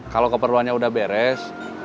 kalau keperluannya udah beres